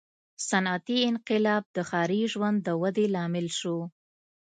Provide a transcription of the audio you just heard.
• صنعتي انقلاب د ښاري ژوند د ودې لامل شو.